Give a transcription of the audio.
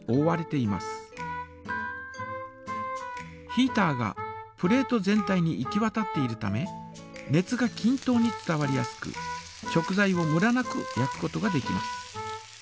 ヒータがプレート全体に行きわたっているため熱がきん等に伝わりやすく食材をムラなく焼くことができます。